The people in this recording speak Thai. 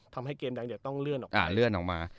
ทำให้เกมแดงเดือดต้องเลื่อนออกมา